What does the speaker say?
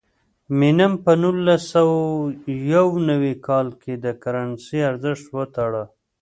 مینم په نولس سوه یو نوي کال کې د کرنسۍ ارزښت وتاړه.